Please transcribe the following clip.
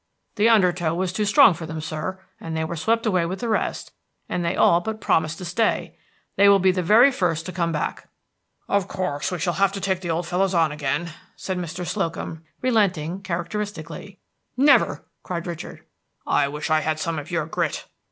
"The undertow was too strong for them, sir, and they were swept away with the rest. And they all but promised to stay. They will be the very first to come back." "Of course we shall have to take the old fellows on again," said Mr. Slocum, relenting characteristically. "Never!" cried Richard. "I wish I had some of your grit."